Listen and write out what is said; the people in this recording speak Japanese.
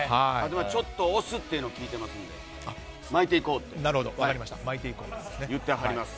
ちょっと押すっていうのを聞いていますので巻いていこうって言ってはります。